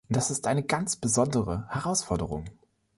Das ist eine ganz besondere Herausforderung!